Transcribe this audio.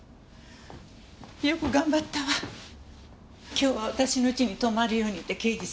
今日は私のうちに泊まるようにって刑事さんが。